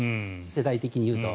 世代的に言うと。